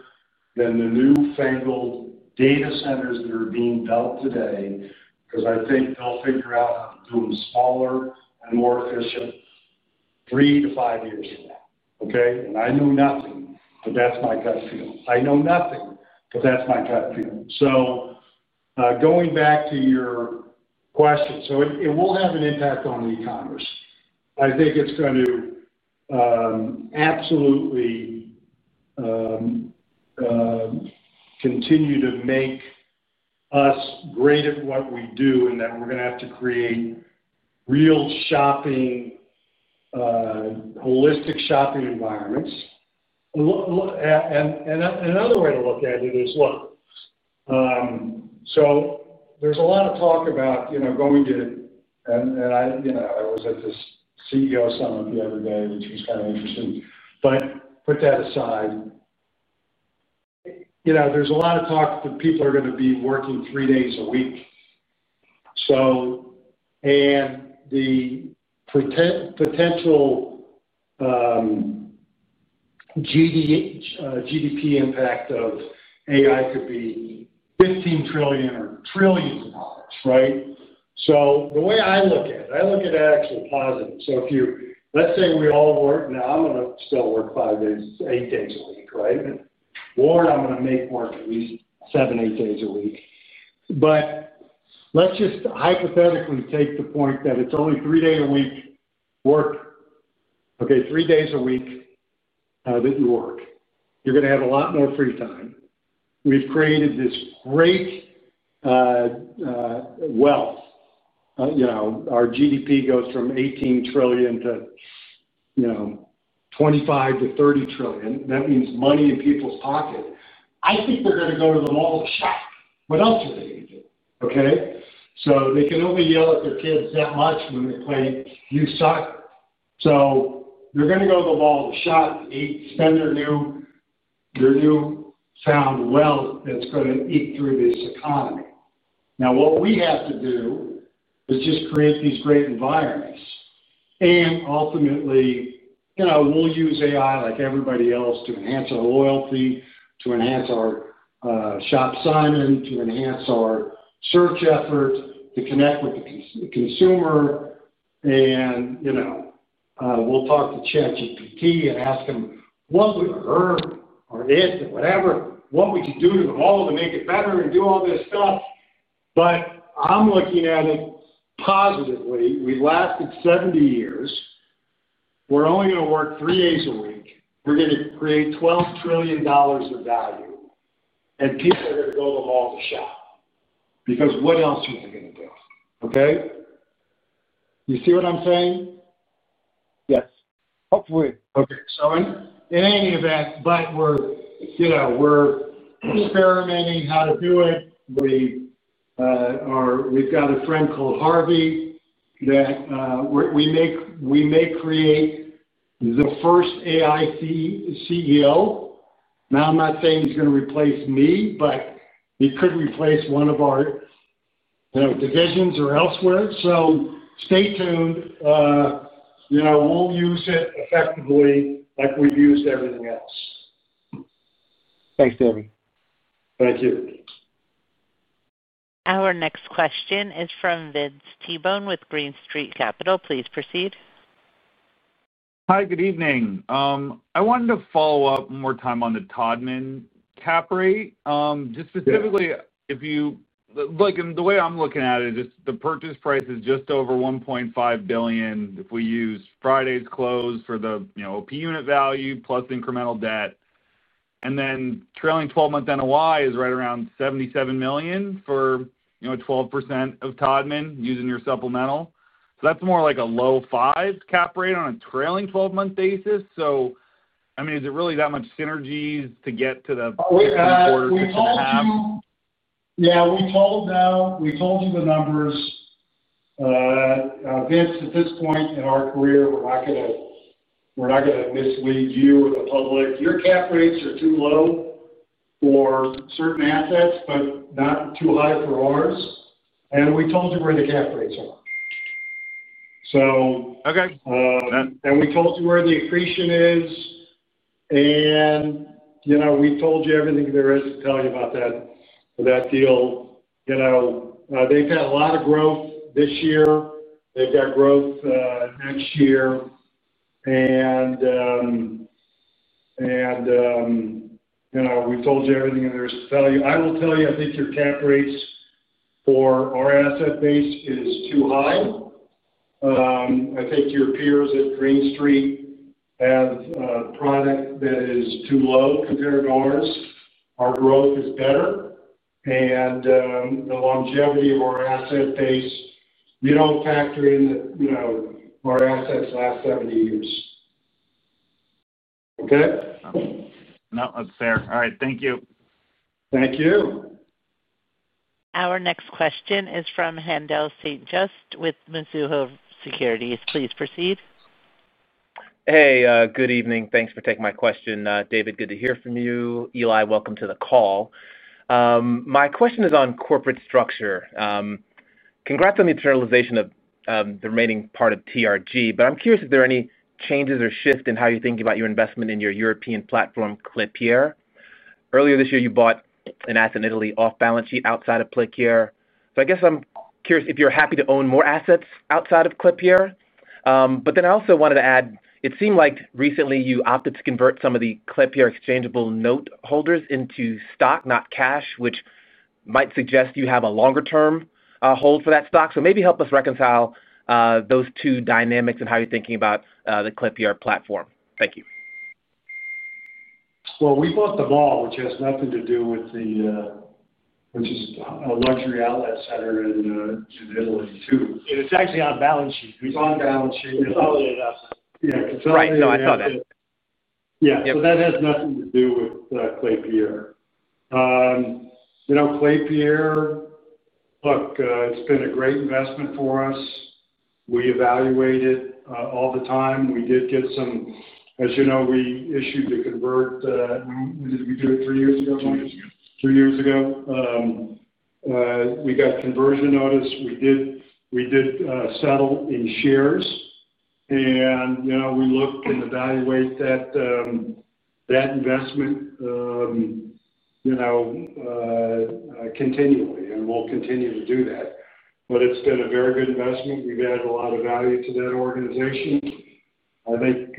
than the newfangled data centers that are being built today because I think they'll figure out how to do them smaller and more efficient three to five years from now. I know nothing, but that's my gut feel. I know nothing, but that's my gut. Going back to your question, it will have an impact on e-commerce. I think it's going to absolutely continue to make us great at what we do in that we're going to have to create real shopping, holistic shopping environments. Another way to look at it is, look, there's a lot of talk about going to, and I was at this CEO Summit the other day, which was kind of interesting. Put that aside. There's a lot of talk that people are going to be working three days a week. The potential GDP impact of AI could be $15 trillion or trillions of dollars, right? The way I look at it, I look at it actually positive. Let's say we all work now. I'm going to still work eight days a week, right? Or I'm going to make work at least seven, eight days a week. Let's just hypothetically take the point that it's only three days a week work. Three days a week that you work. You're going to have a lot more free time. We've created this great wealth. Our GDP goes from $18 trillion to $25 trillion-$30 trillion. That means money in people's pocket. I think they're going to go to the mall to shop. What else are they going to do? They can only yell at their kids that much when they play New Soccer. They're going to go to the mall to shop, spend their new found wealth that's going to eat through this economy. Now, what we have to do is just create these great environments. Ultimately, we'll use AI like everybody else to enhance our loyalty, to enhance our ShopSimon, to enhance our search effort, to connect with the consumer. We'll talk to ChatGPT and ask them, "What would her or it, whatever, what would you do to the mall to make it better and do all this stuff?" I'm looking at it positively. We lasted 70 years. We're only going to work three days a week. We're going to create $12 trillion of value. People are going to go to the mall to shop because what else are they going to do? Okay? You see what I'm saying? Yes. Hopefully. Simon? Okay. In any event, we are experimenting how to do it. We have got a friend called Harvey that we may create, the first AI CEO. Now, I am not saying he is going to replace me, but he could replace one of our divisions or elsewhere. Stay tuned. We will use it effectively like we have used everything else. Thanks, David. Thank you. Our next question is from Vince Tibone with Green Street. Please proceed. Hi. Good evening. I wanted to follow up one more time on the Taubman cap rate. Just specifically, if you look at the way I'm looking at it, the purchase price is just over $1.5 billion if we use Friday's close for the OP unit value plus incremental debt. And then trailing 12-month NOI is right around $77 million for 12% of Taubman using your supplemental. That's more like a low 5% cap rate on a trailing 12-month basis. I mean, is it really that much synergies to get to the second quarter? We told. Yeah. We told you the numbers. Vince, at this point in our career, we're not going to mislead you or the public. Your cap rates are too low for certain assets, but not too high for ours. We told you where the cap rates are. We told you where the accretion is. We told you everything there is to tell you about that deal. They've got a lot of growth this year. They've got growth next year. We've told you everything there is to tell you. I will tell you, I think your cap rates for our asset base is too high. I think your peers at Green Street have a product that is too low compared to ours. Our growth is better. The longevity of our asset base, we don't factor in that. Our assets last 70 years. Okay? No, that's fair. All right. Thank you. Thank you. Our next question is from Haendel St. Juste with Mizuho Securities. Please proceed. Hey. Good evening. Thanks for taking my question, David. Good to hear from you. Eli, welcome to the call. My question is on corporate structure. Congrats on the internalization of the remaining part of TRG, but I'm curious if there are any changes or shifts in how you're thinking about your investment in your European platform, Klépierre. Earlier this year, you bought an asset in Italy off-balance sheet outside of Klépierre. I guess I'm curious if you're happy to own more assets outside of Klépierre. I also wanted to add, it seemed like recently you opted to convert some of the Klépierre exchangeable note holders into stock, not cash, which might suggest you have a longer-term hold for that stock. Maybe help us reconcile those two dynamics and how you're thinking about the Klépierre platform. Thank you. We bought the mall, which has nothing to do with the, which is a luxury outlet center in Italy too. It's actually on balance sheet. It's on balance sheet. It's all in the assets. Yeah. Right. No, I saw that. Yeah. So that has nothing to do with Klépierre. Klépierre. Look, it's been a great investment for us. We evaluate it all the time. We did get some, as you know, we issued to convert. Did we do it three years ago? Three years ago. Three years ago. We got conversion notice. We did settle in shares. And we looked and evaluated that investment continually, and we'll continue to do that. But it's been a very good investment. We've added a lot of value to that organization. I think.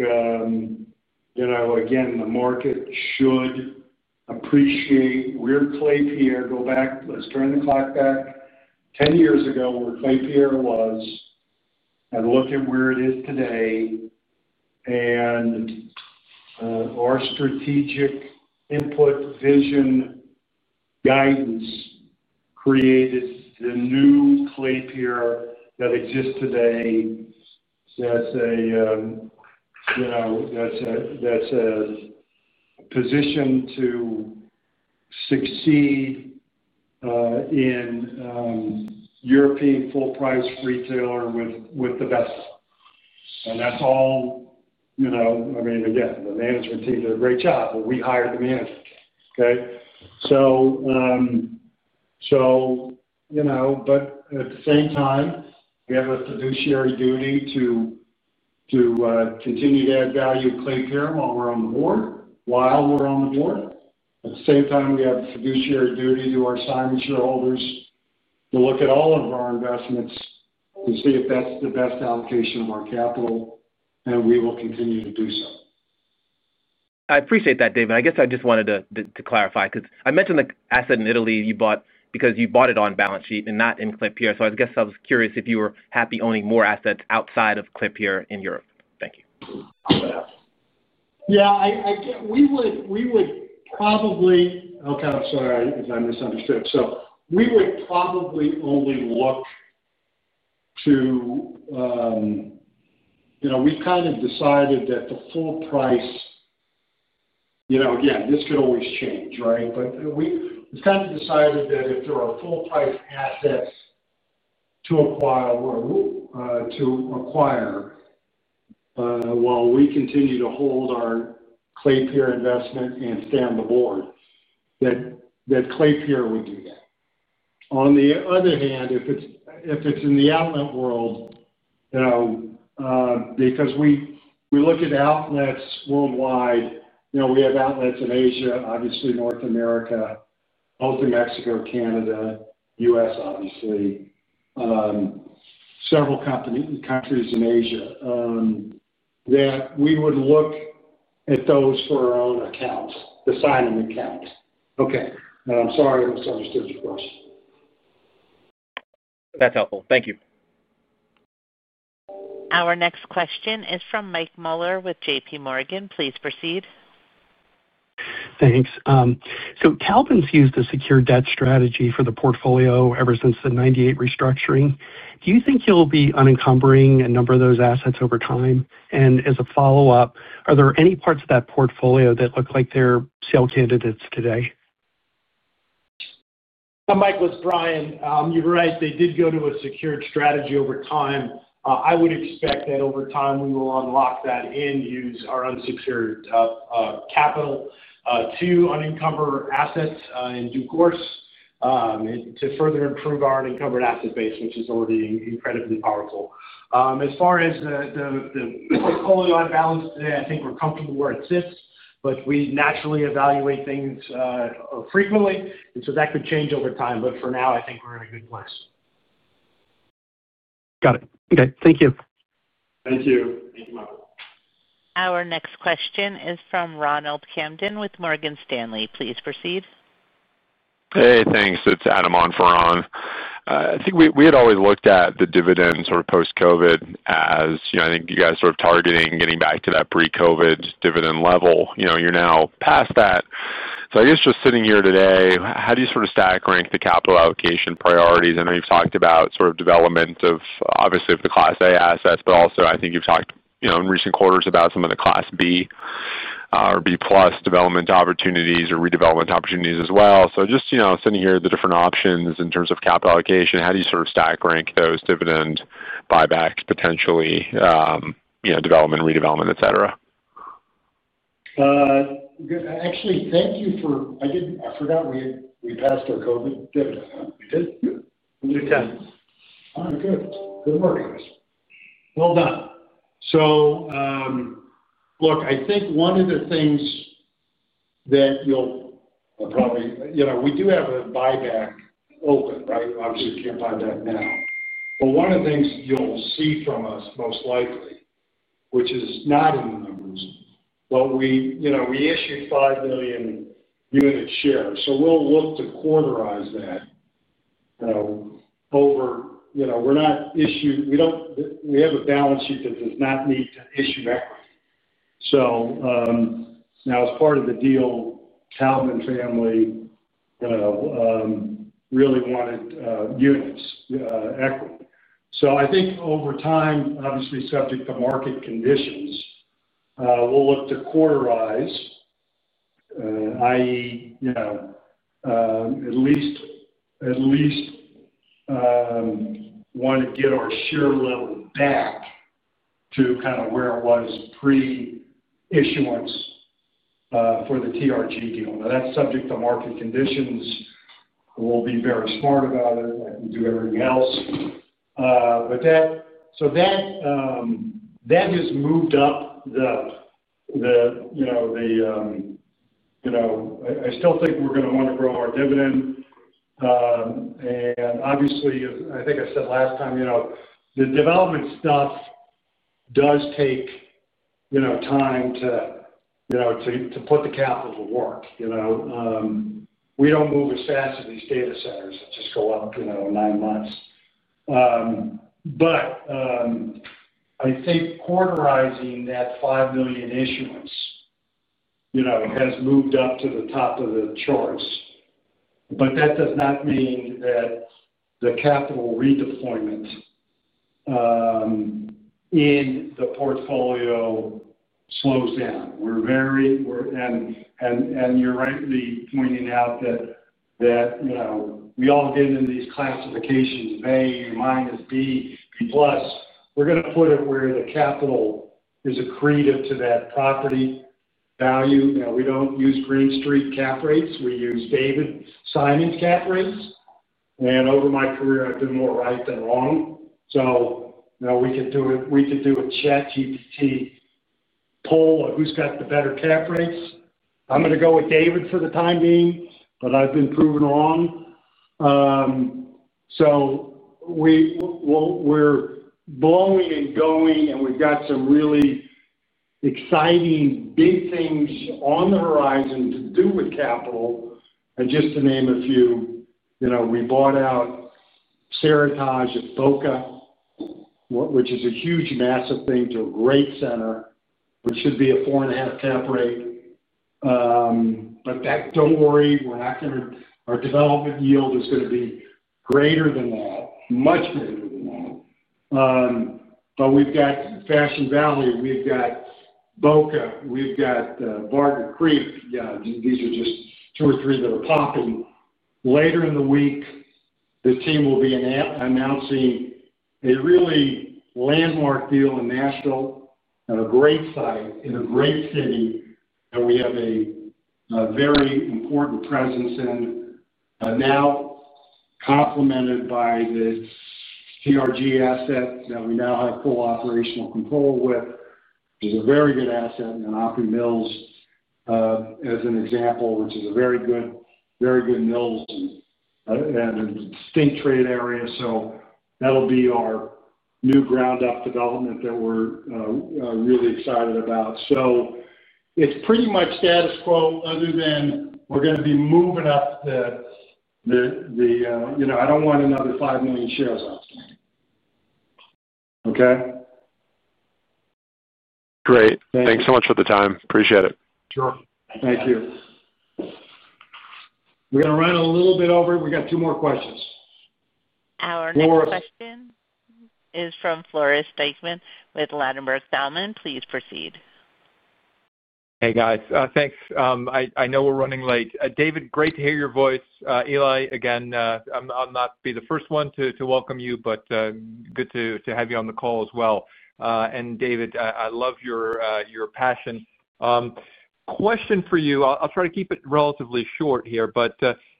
Again, the market should appreciate where Klépierre, go back, let's turn the clock back, 10 years ago where Klépierre was. And look at where it is today. And our strategic input, vision, guidance created the new Klépierre that exists today. That's a position to succeed in European full-price retailer with the best. And that's all. I mean, again, the management team did a great job, but we hired the management team. Okay? So at the same time, we have a fiduciary duty to continue to add value to Klépierre while we're on the board, while we're on the board. At the same time, we have a fiduciary duty to our signature holders to look at all of our investments to see if that's the best allocation of our capital, and we will continue to do so. I appreciate that, David. I guess I just wanted to clarify because I mentioned the asset in Italy you bought because you bought it on balance sheet and not in Klépierre. So I guess I was curious if you were happy owning more assets outside of Klépierre in Europe. Thank you. Yeah. We would probably, okay, I'm sorry if I misunderstood. We would probably only look to, we've kind of decided that the full price, again, this could always change, right? We've kind of decided that if there are full-price assets to acquire, while we continue to hold our Klépierre investment and stay on the board, that Klépierre would do that. On the other hand, if it's in the outlet world, because we look at outlets worldwide, we have outlets in Asia, obviously North America, both in Mexico, Canada, U.S., obviously, several countries in Asia, that we would look at those for our own accounts, the Simon accounts. Okay. I'm sorry I misunderstood your question. That's helpful. Thank you. Our next question is from Mike Mueller with JPMorgan. Please proceed. Thanks. Taubman has used a secured debt strategy for the portfolio ever since the 1998 restructuring. Do you think you'll be unencumbering a number of those assets over time? As a follow-up, are there any parts of that portfolio that look like they're sale candidates today? Mike, it's Brian. You're right. They did go to a secured strategy over time. I would expect that over time, we will unlock that and use our unsecured capital to unencumber assets in due course. To further improve our unencumbered asset base, which is already incredibly powerful. As far as the portfolio on balance today, I think we're comfortable where it sits, but we naturally evaluate things frequently. That could change over time. For now, I think we're in a good place. Got it. Okay. Thank you. Thank you. Our next question is from Ronald Kamdem with Morgan Stanley. Please proceed. Hey, thanks. It's Adam on for Ron. I think we had always looked at the dividend sort of post-COVID as I think you guys sort of targeting getting back to that pre-COVID dividend level. You're now past that. I guess just sitting here today, how do you sort of stack rank the capital allocation priorities? I know you've talked about sort of development of obviously the class A assets, but also I think you've talked in recent quarters about some of the Class B or B+ development opportunities or redevelopment opportunities as well. Just sitting here at the different options in terms of capital allocation, how do you sort of stack rank those dividend, buybacks potentially, development, redevelopment, etc.? Actually, thank you for, I forgot we had passed our COVID dividend. We did? We did. We did. All right. Good. Good work, guys. Well done. Look, I think one of the things that you'll probably, we do have a buyback open, right? Obviously, you can't buy back now. One of the things you'll see from us most likely, which is not in the numbers, but we issued 5 million unit shares. We'll look to quarterize that. We're not issued, we have a balance sheet that does not need to issue equity. As part of the deal, Taubman family really wanted units, equity. I think over time, obviously subject to market conditions, we'll look to quarterize, i.e. at least want to get our share level back to kind of where it was pre-issuance for the TRG deal. That's subject to market conditions. We'll be very smart about it. We do everything else. That has moved up the, I still think we're going to want to grow our dividend. Obviously, I think I said last time, the development stuff does take time to put the capital to work. We don't move as fast as these data centers. They just go up in nine months. I think quarterizing that 5 million issuance has moved up to the top of the charts. That does not mean that the capital redeployment in the portfolio slows down. You're rightly pointing out that we all get in these classifications, A-, B+. We're going to put it where the capital is accretive to that property value. We don't use Green Street cap rates. We use David Simon's cap rates. Over my career, I've been more right than wrong. We could do a ChatGPT poll of who's got the better cap rates. I'm going to go with David for the time being, but I've been proven wrong. We're blowing and going, and we've got some really exciting big things on the horizon to do with capital, just to name a few. We bought out Seritage at Boca, which is a huge massive thing to a great center. Should be a four and a half cap rate. Don't worry. We're not going to, our development yield is going to be greater than that, much greater than that. We've got Fashion Valley. We've got Boca. We've got Barton Creek. These are just two or three that are popping. Later in the week, the team will be announcing a really landmark deal in Nashville, a great site in a great city that we have a very important presence in. Now complemented by the TRG asset that we now have full operational control with, which is a very good asset, and Opry Mills as an example, which is a very good mill and a distinct trade area. That'll be our new ground-up development that we're really excited about. It's pretty much status quo other than we're going to be moving up the. I don't want another 5 million shares out there. Okay? Great. Thanks so much for the time. Appreciate it. Sure. Thank you. We're going to run a little bit over. We got two more questions. Our next question is from Floris Dijkum with Ladenburg Thalmann. Please proceed. Hey, guys. Thanks. I know we're running late. David, great to hear your voice. Eli. Again, I'll not be the first one to welcome you, but good to have you on the call as well. David, I love your passion. Question for you. I'll try to keep it relatively short here, but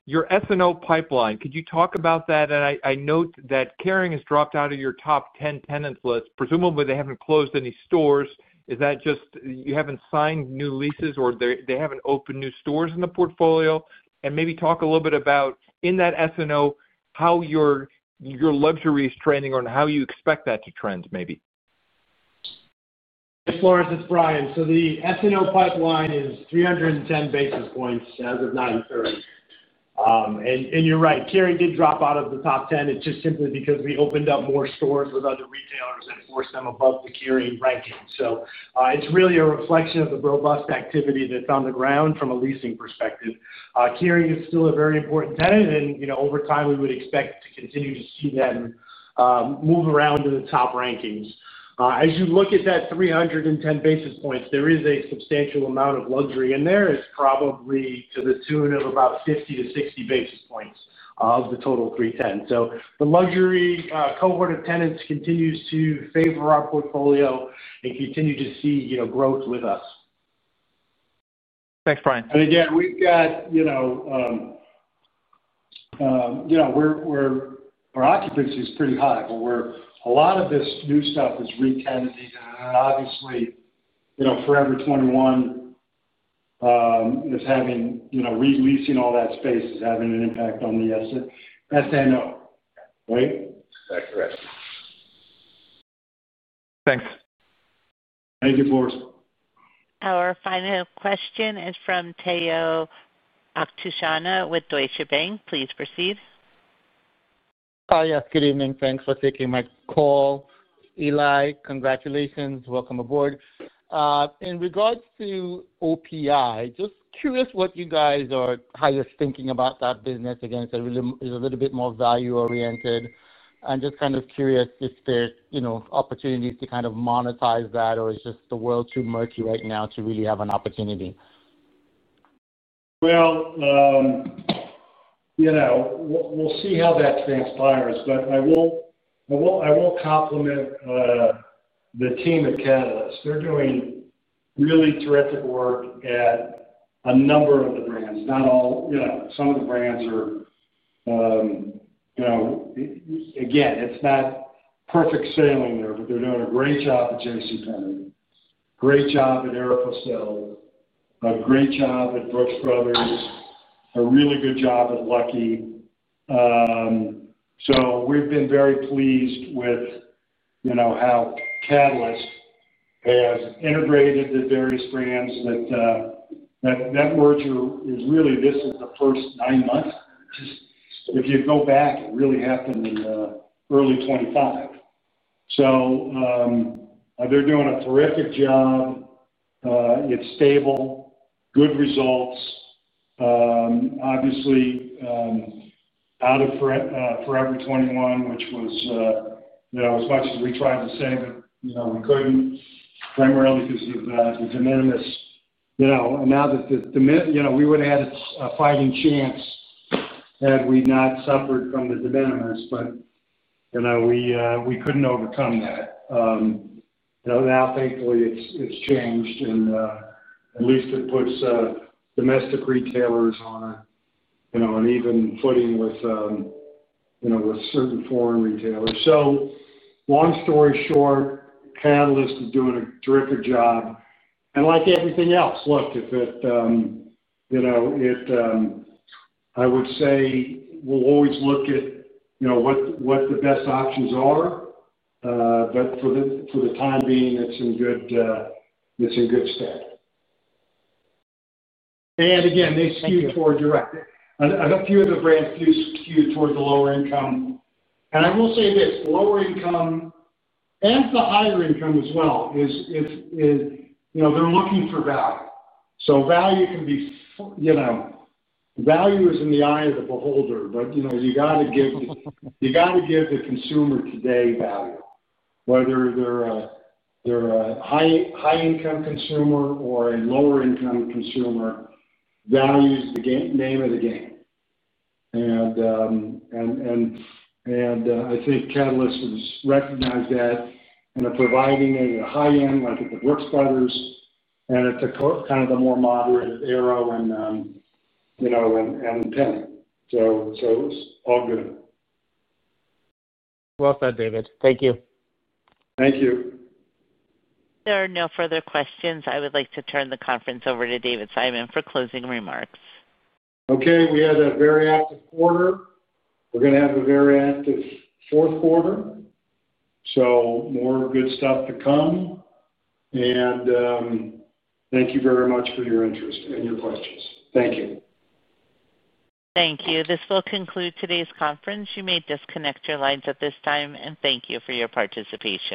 your S&O pipeline, could you talk about that? I note that Kering has dropped out of your top 10 tenants list. Presumably, they haven't closed any stores. Is that just you haven't signed new leases, or they haven't opened new stores in the portfolio? Maybe talk a little bit about, in that S&O, how your luxury is trending or how you expect that to trend, maybe. Hey, Floris. It's Brian. The S&O pipeline is 310 basis points as of 9/30. You're right. Kering did drop out of the top 10. It's just simply because we opened up more stores with other retailers and forced them above the Kering ranking. It's really a reflection of the robust activity that's on the ground from a leasing perspective. Kering is still a very important tenant, and over time, we would expect to continue to see them move around in the top rankings. As you look at that 310 basis points, there is a substantial amount of luxury in there. It's probably to the tune of about 50-60 basis points of the total 310. The luxury cohort of tenants continues to favor our portfolio and continue to see growth with us. Thanks, Brian. We've got our occupancy is pretty high. A lot of this new stuff is re-tenanted, and obviously Forever 21 is having releasing all that space is having an impact on the S&O, right? That's correct. Thanks. Thank you, Floris. Our final question is from Omotayo Okusanya with Deutsche Bank. Please proceed. Yes. Good evening. Thanks for taking my call. Eli, congratulations. Welcome aboard. In regards to OPI, just curious what you guys are highest thinking about that business against a little bit more value-oriented. I'm just kind of curious if there's opportunities to kind of monetize that, or is just the world too murky right now to really have an opportunity? We'll see how that transpires, but I will compliment the team at Catalyst. They're doing really terrific work at a number of the brands. Not all; some of the brands are. Again, it's not perfect sailing there, but they're doing a great job at JCPenney, great job at Aeropostale, a great job at Brooks Brothers, a really good job at Lucky. We've been very pleased with how Catalyst has integrated the various brands that. That merger is really, this is the first nine months. If you go back, it really happened in early 2025. They're doing a terrific job. It's stable, good results. Obviously, out of Forever 21, which was. As much as we tried to save it, we couldn't, primarily because of the de minimis. Now that the, we would have had a fighting chance had we not suffered from the de minimis, but we couldn't overcome that. Now, thankfully, it's changed, and at least it puts domestic retailers on an even footing with certain foreign retailers. Long story short, Catalyst is doing a terrific job. Like everything else, look, if it. I would say we'll always look at what the best options are. For the time being, it's in good step. Again, they skew toward direct, a few of the brands skew toward the lower income. I will say this: the lower income and the higher income as well is. They're looking for value. Value can be, value is in the eye of the beholder, but you got to give the, you got to give the consumer today value, whether they're a high-income consumer or a lower-income consumer. Value is the name of the game. I think Catalyst has recognized that and are providing it at a high end, like at the Brooks Brothers and at the kind of the more moderate Aero and Penney. It's all good. Well said, David. Thank you. Thank you. There are no further questions. I would like to turn the conference over to David Simon for closing remarks. Okay. We had a very active quarter. We are going to have a very active fourth quarter. More good stuff to come. Thank you very much for your interest and your questions. Thank you. Thank you. This will conclude today's conference. You may disconnect your lines at this time, and thank you for your participation.